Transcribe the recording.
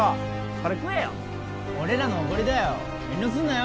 これ食えよ俺らのおごりだよ遠慮すんなよ